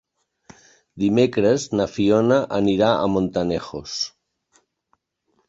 Dimecres na Fiona anirà a Montanejos.